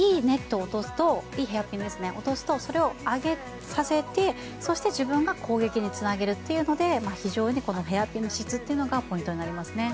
いいヘアピンを落とすとそれを上げさせて、そして自分が攻撃につなげるというので非常にヘアピンの質というのがポイントになりますね。